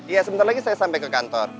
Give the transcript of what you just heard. iya sebentar lagi saya sampai ke kantor